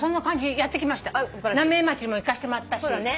浪江町も行かしてもらったし。